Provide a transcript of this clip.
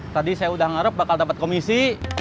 tadi saya udah ngarep bakal dapat komisi